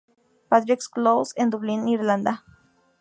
Patrick´s Close en Dublín, Irlanda.